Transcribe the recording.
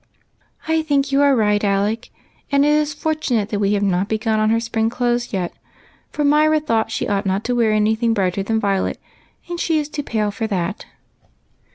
"I think you are right. Alec, and it is fortunate that we have not begun on her spring clothes yet, for Myra thought she ought not to wear any thing brighter than violet, and she is too j^ale for that."